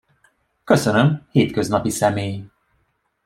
Köszönöm, hétköznapi személy.